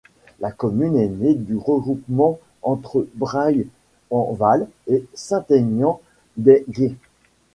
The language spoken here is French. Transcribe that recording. La commune est née du regroupement entre Bray-en-Val et Saint-Aignan-des-Gués.